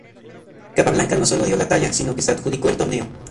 Capablanca no solo dio la talla, sino que se adjudicó el torneo.